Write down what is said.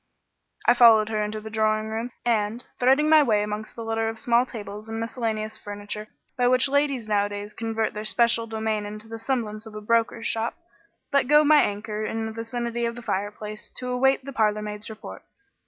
I followed her into the drawing room, and, threading my way amongst the litter of small tables and miscellaneous furniture by which ladies nowadays convert their special domain into the semblance of a broker's shop, let go my anchor in the vicinity of the fireplace to await the parlourmaid's report.